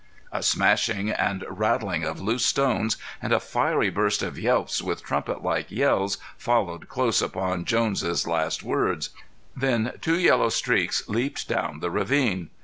A smashing and rattling of loose stones and a fiery burst of yelps with trumpet like yells followed close upon Jones' last words. Then two yellow streaks leaped down the ravine.